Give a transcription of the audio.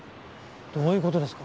どういう事ですか？